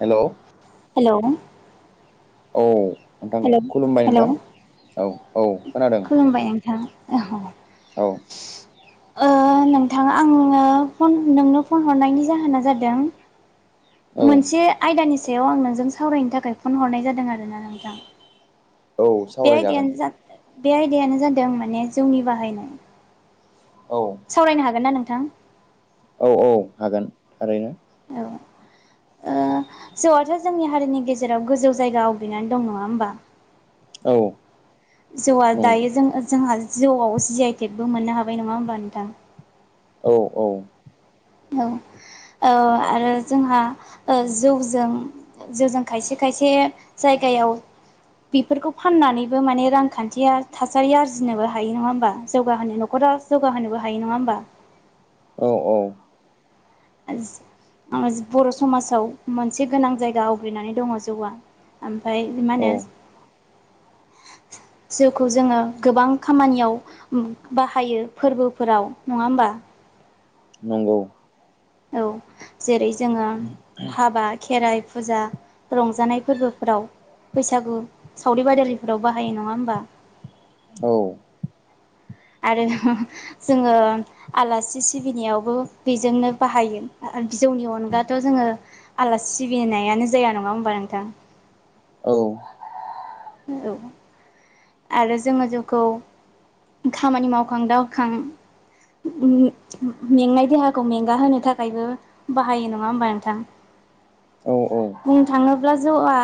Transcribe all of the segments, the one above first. हेल' hello औ नोंथां hello खुलुमबाय हेलौ नोंथां औ औ खोनादों [unintelligible] औ नोंथाङा आङनो फन नोंनो फन हरनायनि जाहोना जादों औ मोनसे आयदानि सायाव आं नोंजों सावरायनो थाखाय फन हरनाय जादों आरोना नोंथां औ बे सावरायजागोन आयदायानो बे आयदायानो जादों माने जौनि बाहायनाय औ सावरायनो हागोन ना नोंथां? औ औ हागोन थारैनो औ ओ जौआथ' जोंनि हारिनि गेजेराव गोजौ जायगा आवग्रिनानै दं नङा होमबा? औ जौआ नंगौ दायो जों जोंहा जौआव जि आइ टेकबो मोननो हाबाय नङा होमबा नोंथां औ औ औ औ आरो जोंहा ओ जौजों जौजों खायसे खायसे जायगायाव बेफोरखौ फाननानैबो माने रांखान्थिया थासारि आरजिनोबो हायो नङा होमबा जौगाहोनो न'खरा जौगा होनोबो हायो नङा होमबा? औ औ [unintelligible] बर' समाजाव मोनसे गोनां जायगा आवग्रिनानै दङ जौआ। ओमफ्राय मा होनो औ जौखौ जोङो गोबां खामानियाव बाहायो फोरबोफोराव नङा होमबा? नंगौ औ जेरै जोङो हाबा, खेराइ फुजा रंजानाय फोरबो फोराव बैसागु सावरि बादालिफोराव बाहायो नङा होमबा? औ आरो जोङो आलासि सिबिनायावबो बेजोंनो बाहायो आरो जौनि अनगाथ' जोङो आलासि सिबिनायानो जाया नङा होमबा नोंथां? औ औ आरो जोङो जौखौ खामानि मावखां दावखां ओम ओम मेंनाय देहाखौ मेंगाहोनो थाखायबो बाहायो नङा होमबा नोंथां? [unintelligible] औ औ बुंनो थाङोब्ला जौआ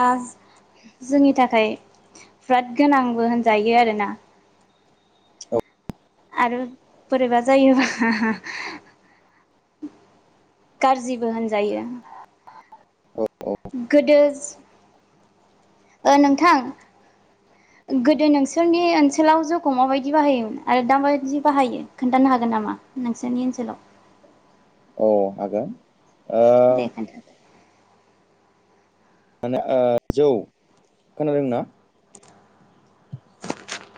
जोंनि थाखाय बिराद गोनां। [unintelligible] होनजायो आरोना। आरो बोरैबा जायोबा गाज्रिबो होनजायो। गोदो ओ नोंथां गोदो नोंसोरनि ओनसोलाव जौखौ माबायदि बाहायोमोन आरो दा माबायदि बाहायो खोन्थानो हागोन नामा? नोंसोरनि ओनसोलाव औ हागोन ओ दे खोन्था माने ओ जौ खोनादों ना?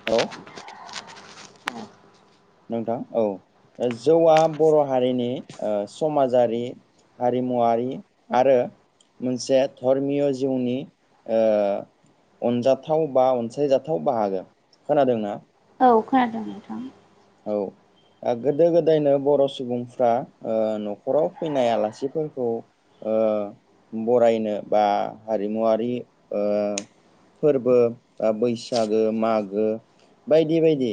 हेल'। नोंथां औ ओ जौआ बर' हारिनि ओ समाजारि हारिमुवारि आरो मोनसे धर्मिय' जिउनि ओ अनजाथाव बा अनसायजाथाव बाहागो। खोनादोंना? औ खोनादों नोंथां। औ। गोदो- गोदायनो बर' सुबुंफ्रा न'खराव फैनाय आलासिफोरखौ बरायनो बा हारिमुवारि फोरबो ओ बैसागो मागो बायदि बायदि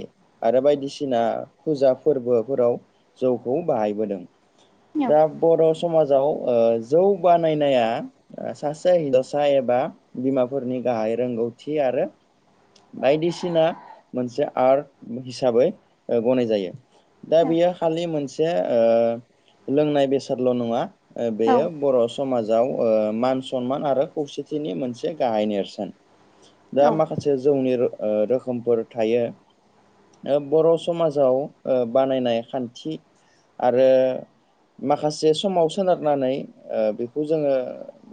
आरो बायदिसिना दिसिना फुजा फोरबोफोराव जौखौ बाहायबोदों। औ दा बर' समाजाव ओ जौ बानायनाया सासे हिनजावसा एबा बिमाफोरनि गाहाय रोंगौथि आरो बायदिसिना मोनसे आर्ट हिसाबै गनाय जायो। दा बेयो खालि मोनसे ओ लोंनाय बेसादल' नङा ओ औ बेयो बर' स समाजाव ओ मान सनमान आरो खौसेथिनि मोनसे गाहाय नेरसोन। दा औ माखासे जौनि ओ रोखोमफोर थायो ओ बर' समाजाव बानायनाय खान्थि आरो माखासे समाव सोनारनानै ओ बेखौ जोङो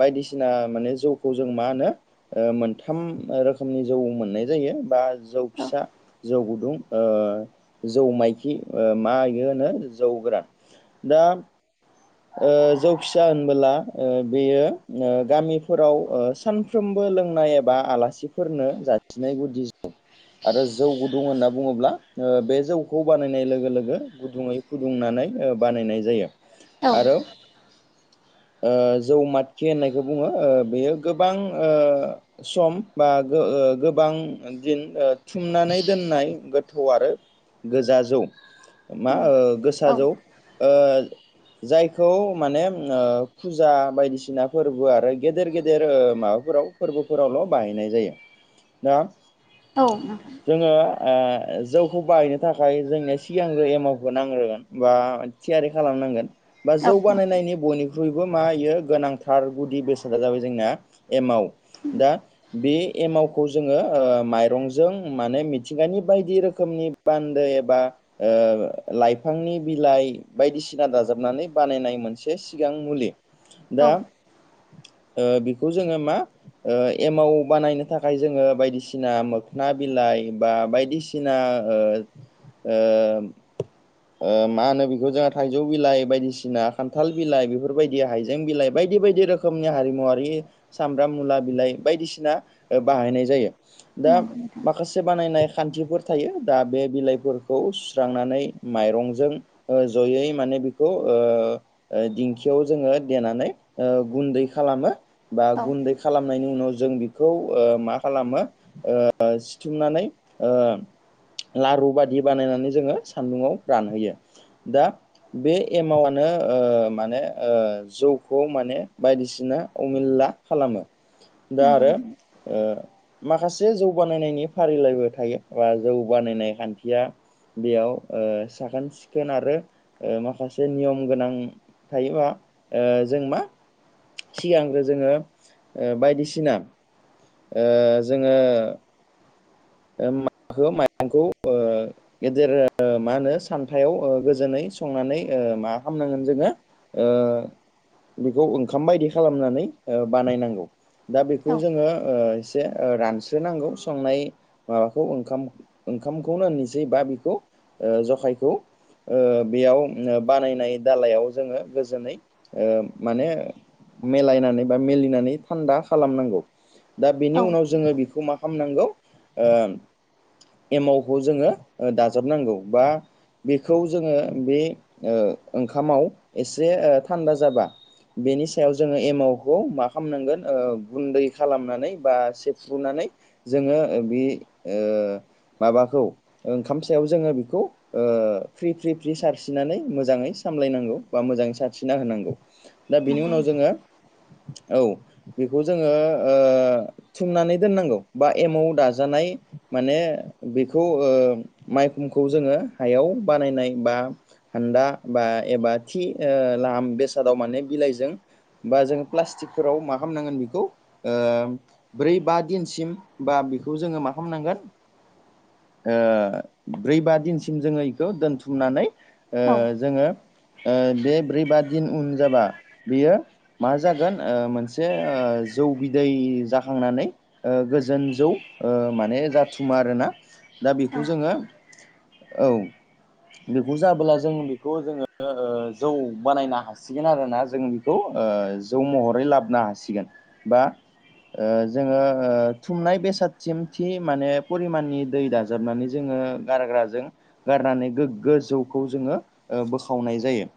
बायदिसिना माने जौखौ जों मा होनो ओ मोनथाम रोखोमनि जौ मोननाय जायो बा जौ फिसा, जौ गुदुं जौ माइखि ओ मा इयो होनो जौ गोरा। दा अ जौ फिसा होनबोला ओ बेयो गामिफोराव ओ सानफ्रोमबो लोंनाय एबा आलासि फोरनो जासिनाय गुदि जौ आरो जौ गुदुं होनना बुङोब्ला ओ बे जौखौ बानायनाय लोगो लोगो गुदुङै फुदुंनानै बानायनाय जायो। आरो [unintelligible] ओ जौमातखि होननायखौ बुङो ओ बेयो गोबां ओ सम बा गो-गोबां दिन ओ थुमनानै दोननाय गोथौ आरो गोजा जौ। मा ओ गोसा जौ ओ जायखौ माने ओ फुजा बायदिसिना फोरबो आरो गेदेर गेदेर माबाफोराव फोरबोफोरावल' बाहायनाय जायो दा औ नोंथां जोङो ओ जौखौ बाहायनो थाखाय जोंनिया सिगांग्रो एमावखौ नांग्रोगोन बा थियारि खालामनांगोन बा जौ बानायनायनि बयनि बयबो मा होयो गोनांथार गुदि बेसादा जाबाय जोंना एमाव दा बे एमावखौ जोङो माइरंजों माने मिथिंगानि बायदि रोखोमनि बान्दो एबा ओ लाइफांनि बिलाइ बायदिसिना [unintelligible] जाबनानै बानायनाय मोनसे सिगां मुलि औ दा ओ बेखौ जोङो मा ओ एमाव बानायनो थाखाय जोङो बायदिसिना मोखोना बिलाइ बा बायदिसिना जोंहा ओ ओ ओ मा होनो बेखौ थाइजौ बिलाइ बायदिसिना खान्थाल बिलाइ बेफोरबायदि हाइजें बिलाइ बायदि बायदि रोखोमनि हारिमुवारि सामब्राम मुला बिलाइ बायदिसिना बाहायनाय जायो दा नंगौ नोंथां माखासे से बानायनाय खान्थिफोर थायो दा बे बिलाइफोरखौ सुस्रांनानै माइरंजों ओ जयै माने बेख खौ ओ दिंखियाव जोङो देनानै ओ गुन्दै खालामो। बा औ गुन्दै खालाम खालामनायनि उनाव जों ओ बेखौ मा खालामो ओ सिथुमनानै ओ लारु बायदि बानायनानै जोङो सान्दुंङाव रानहोयो दा बे एमावानो ओ माने ओ जौखौ माने बायदिसिना अमिलला खालामो। [inaudible] दा आरो नोंथां ओ माखासे जौ बानायनायनि फारिलाइबो थायो बा जौ बानायनाय खान्थिया बेयाव ओ साखोन सिखोन आरो ओ माखासे नियम गोनां थायोबा ओ जों मा सिगांग्रो जोङो ओ बायदिसिना ओ जोङो ओ माखौ माइरंखौ ओ गेदेर मा होनो सान्थायाव गोजोनै संनानै ओ मा खामनांगोन जोङो ओ‌ बेखौ ओंखाम बायदि खालामनानै बानायनांगौ। दा बेखौ औ जोङो ओ एसे ओ रानस्रोनांगौ संनाय माबाखौ ओंखाम ओंखामखौनो होननोसै बा बेखौ ओ जखायखौ ओ बेयावनो बानायनाय दालायाव जोङो गोजोनै ओ माने मिलायनानै बा मिलिनानै थान्दा खालामनांगौ। दा बेनि औ उनाव जोंङो बेखौ मा खालामनांगौ ओ एमावखौ जोङो दाजाबनांगौ बा बेखौ जोङो बे ओ ओंखामाव एसे थान्दा ओ जाबा बेनि सायाव जोङो एमावखौ मा खामनांगोन ओ गुन्दै खालामनानै बा सेफ्रुनानै जोङो बि ओ माबाखौ ओंखाम सायाव जोङो बिखौ ओ फ्रि-फ्रि-फ्रि सारस्रिननानै मोजाङै सामलायनांगौ बा मोजाङै सारस्रिना होनांगौ। दा बिनि नंगौ उनाव नोंथां जोङो औ बेखौ जोङो ओ थुमनानै दोननांगौ बा एमाव दाजानाय माने बेखौ ओ माइखुमखौ जोङो हायाव बानायनाय बा हान्दा बा एबा थि लाम बेसादाव माने बिलाइजों बा जोङो प्लास्टिकफोराव मा खालामनांगोन बेखौ ओ ब्रै बा दिनसिम बा बेखौ जोङो मा खालामनांगोन ओ ब्रै बा दिनसिम जोङो इखौ दोनथुमनानै ओ औ जोङो ओ बे ब्रै बा दिन उन जाबा बियो मा जागोन ओ मोनसे जौ बिदै जाखांनानै ओ गोजोन जौ ओ माने जाथुमा आरोना दा औ बेखौ जोङो औ बेखौ जाबोला जों बेखौ जोङो ओ जौ बानायनो हासिगोन आरो ना जों। खौ ओ जौ महरै लाबनो हासिगोन बा ओ जोङो ओ थुमनाय बेसाद थिम थि माने परिमाननि दै दाजाबनानै जोङो गारग्राजों गारनानै गोग्गो जौखौ जोङो बोखावनाय जायो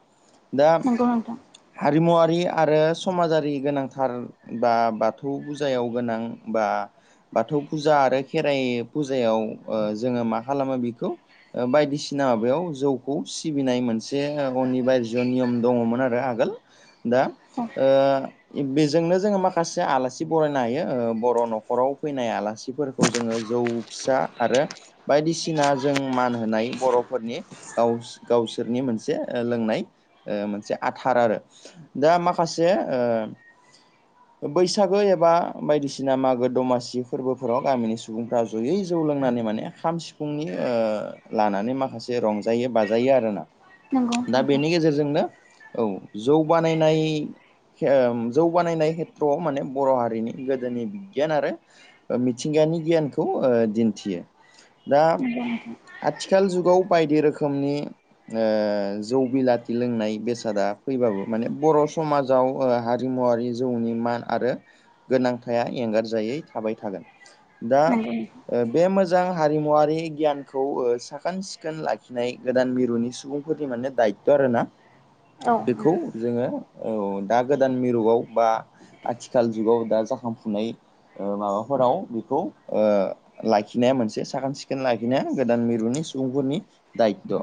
दा नंगौ नोंथां हारिमुवारि आरो समाजारि गोनांथार बा बाथौ फुजायाव गोनां बा बाथौ फुजा आरो खेराइ फुजायाव जोङो मा खालामो बेखौ ओ बायदिसिना माबायाव जौखौ सिबिनाय मोनसे अनि बायजो नियम दङमोन आरो आगोल। दा औ ओ बेजोंनो जोङो माखासे आलासि बरायनो हायो ओ बर' न'खराव फैनाय आलासि बेफोरखौ जोङो जौ फिसा आरो बायदिसिना जों मान होनाय बर'फोरनि गाव-गावसोरनि मोनसे लोंनाय मोनसे आथार आरो। दा माखासे ओ बैसागो एबा बायदिसिना मागो दमासि फोरबो फोराव गामिनि सुबुंफ्रा जयै जौ लोंनानै माने खाम सिफुंनि ओ लानानै माखासे रंजायो बाजायो आरोना नंगौ दा नोंथां बेनि गेजेरजोंनो औ जौ बानायनाय [unintelligible] जौगानायनाय खेथ्रआव माने बर' हारिनि गोदोनि बिगियान आरो ओ मिथिंगानि गियानखौ ओ दिन्थियो दा नंगौ नोंथां। आथिखाल जुगाव बायदि रोखोमनि ओ जौ बिलाथि लोंनाय बेसादा फैबाबो माने बर' समाज गाव हारिमुवारि जौनि मान आरो गोनांथाया एंगारजायै थाबाय थागोन। दा नंगौ नोंथां नंगौ नोंथां बे मोजां हारिमुवारारि गियानखौ साखोन सिखोन लाखिनाय गोदान मिरुनि सुबुं माने दायथ'' आरो ना। [inaudible] बेखौ जोङो औ दा गोदान मिरुआव बा आथिखाल जुगाव दा जाखांफुनाय ओ माबाफोराव बेखौ ओ लाखिनाया मोनसे साखोन सिखोन लाखिनाया गोदान मिरुनि सुबुंफोरनि दायथ'।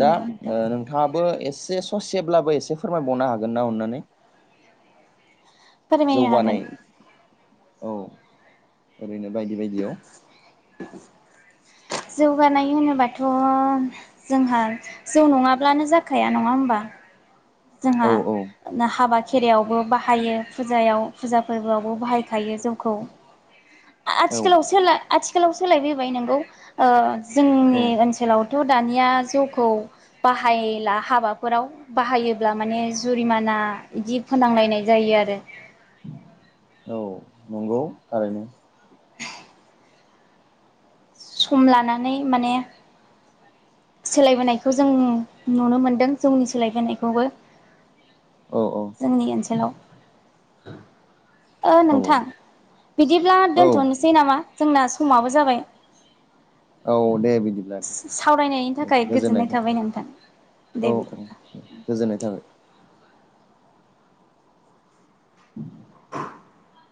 दा नंगौ नोंथां नोंथाङाबो एसे ससेब्लाबो एसे फोरमायबावनो हागोन ना अननानै? फोरमायनो जौगानाय हागोन औ ओरैनो बायदि बायदियाव जौगानाय होनोबाथ' जोंहा जौ नङाब्लानो जाखाया नङा होमबा? जोंहा औ औ हाबा खेरायावबो बाहायो फुजायाव फुजा फोरबो आवबो बाहायखायो जौखौ। [inaudible] औ आथिखालाव सोला आथिखालाव सोलायफैबाय नोंगौ ओ जोंनि औ ओनसोलावथ' दानिया जौखौ बाहायला हाबाफोराव बाहायो अब्ला माने जुरिमाना इदि फोनांलायनाय जायो आरो। औ नंगौ थारैनो। सम लानानै माने सोलायबोनायखौ जों नुनो मोनदों जौनि सोलायबोनायखौबो। [inaudible] औ औ जोंनि ओनसोलाव ओ औ नोंथां बिदिब्ला औ दोनथ'नो जै नामा जोंना समाबो जाबाय औ दे बिदि [inaudible] सावरायनायनि थाखाय गोजोननाय थाबाय नोंथां औ औ दे बिदिब्ला गोजोननाय थाबाय उम [inaudible]